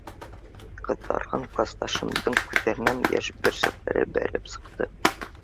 — Ҡыҙарған класташымдың күҙҙәренән йәш бөрсөктәре бәреп сыҡты.